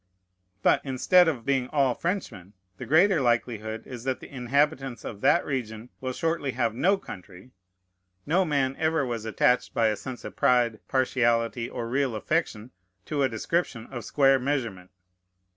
But, instead of being all Frenchmen, the greater likelihood is that the inhabitants of that region will shortly have no country. No man ever was attached by a sense of pride, partiality, or real affection, to a description of square measurement.